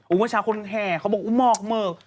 อุงวัชชาคนแห่เขาบอกอุ้มอกเมิก